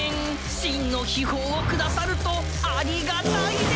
真の秘宝をくださるとありがたいです。